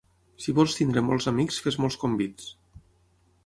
Si vols tenir molts amics fes molts convits.